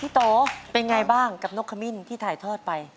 โตเป็นไงบ้างกับนกขมิ้นที่ถ่ายทอดไป